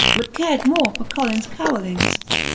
But cared more for Colins carolings.